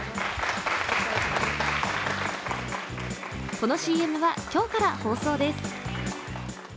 このＣＭは今日から放送です。